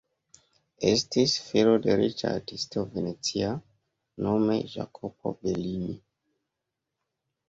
Estis filo de riĉa artisto venecia, nome Jacopo Bellini.